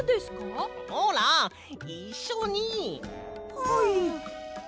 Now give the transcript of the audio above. はい。